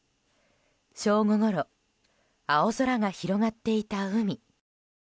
正午ごろ青空が広がっていた海。